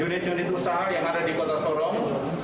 unit unit usaha yang ada di kota sorong